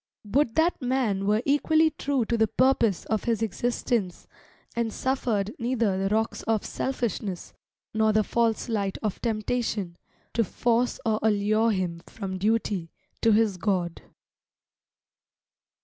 Would that man were equally true to the purpose of his existence, and suffered neither the rocks of selfishness, nor the false light of temptation, to force or allure him from duty to his God.